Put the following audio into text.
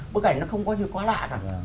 bức ảnh nó không có gì quá lạ cả